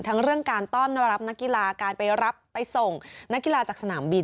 เรื่องการต้อนรับนักกีฬาการไปรับไปส่งนักกีฬาจากสนามบิน